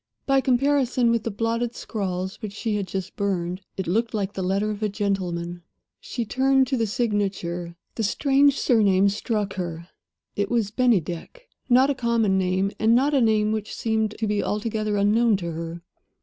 By comparison with the blotted scrawls which she had just burned, it looked like the letter of a gentleman. She turned to the signature. The strange surname struck her; it was "Bennydeck." Not a common name, and not a name which seemed to be altogether unknown to her.